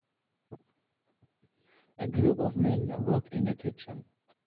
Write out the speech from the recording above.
A group of men work in a kitchen.